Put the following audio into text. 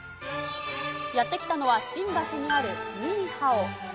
やって来たのは、新橋にあるニーハオ。